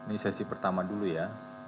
ini sesi pertama dulu ya